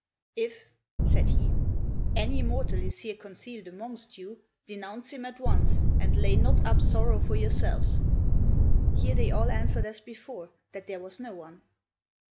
"If," said he, "any mortal is here concealed amongst you, denounce him at once, and lay not up sorrow for yourselves." Here they all answered as before that there was no one.